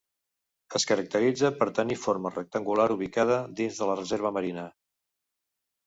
Es caracteritza per tenir forma rectangular ubicada dins de la reserva marina.